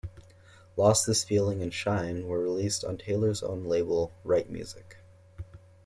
"Lost This Feeling" and "Shine" were released on Taylor's own label "Right Music".